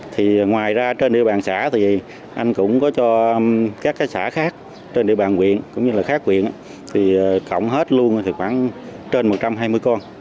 thì ngoài ra trên địa bàn xã thì anh cũng có cho các xã khác trên địa bàn quyện cũng như là khác quyện thì cộng hết luôn thì khoảng trên một trăm hai mươi con